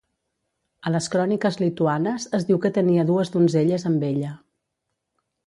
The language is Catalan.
A les Cròniques Lituanes es diu que tenia dues donzelles amb ella.